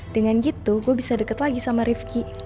dengan gitu gue bisa deket lagi sama ripki